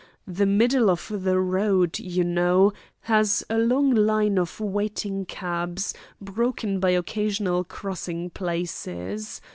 The middle of the road, you know, has a long line of waiting cabs, broken by occasional crossing places.